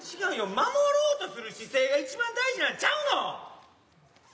守ろうとする姿勢がいちばん大事なんちゃうの⁉